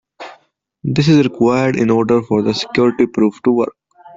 This is required in order for the security proof to work.